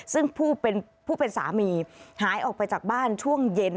ซึ่งผู้เป็นสามีหายออกไปจากบ้านช่วงเย็น